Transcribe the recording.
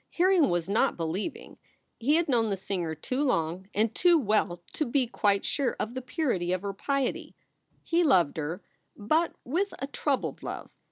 Hearing was not believing. He had known the singer too long and too well to be quite sure of the purity of her piety. He loved her, but with a troubled love.